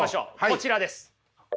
こちらです。